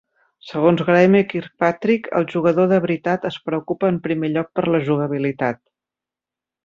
Segons Graeme Kirkpatrick, el "jugador de veritat" es preocupa en primer lloc per la jugabilitat.